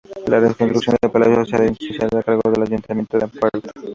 La reconstrucción del palacio se ha iniciado a cargo del ayuntamiento de Ampuero.